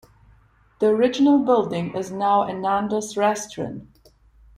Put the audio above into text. The original building is now a Nando's restaurant.